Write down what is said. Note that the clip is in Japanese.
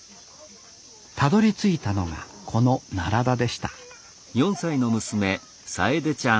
たどりついたのがこの奈良田でした